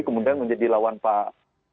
kemudian menjadi lawan pak